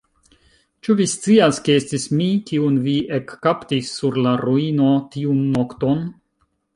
Ĉu vi scias, ke estis mi, kiun vi ekkaptis sur la ruino tiun nokton?